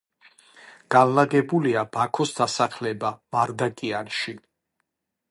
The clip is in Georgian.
განლაგებულია ბაქოს დასახლება მარდაკიანში.